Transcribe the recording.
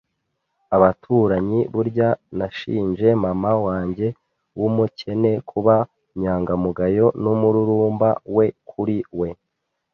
abaturanyi; burya nashinje mama wanjye w'umukene kuba inyangamugayo n'umururumba we, kuri we